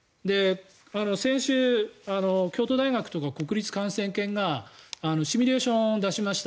先週、京都大学とか国立感染研がシミュレーションを出しました。